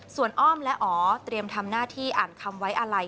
ส่วนอ้อมและอ๋อเตรียมทำหน้าที่อ่านคำไว้อะไร